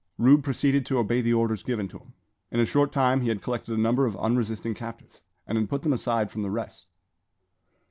Rube proceeded to obey the orders given him. In a short time he had collected a number of unresisting captives, and had put them aside from the rest.